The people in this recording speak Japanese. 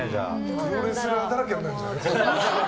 プロレスラーだらけになるんじゃない？